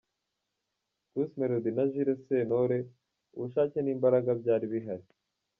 Bruce Melodie na Jules Sentore ubushake n'imbaraga byari bihari.